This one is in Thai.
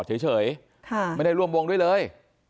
เฉยไม่ได้ร่วมวงด้วยเลย